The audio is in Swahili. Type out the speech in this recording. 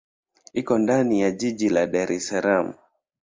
Iko ndani ya jiji la Dar es Salaam.